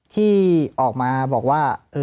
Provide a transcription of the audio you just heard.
ที่ออกมาบอกว่า